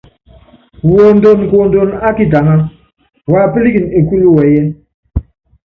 Wondonkuondon ákitaŋa, wapílikini ékúlu wɛɛyiɛ́.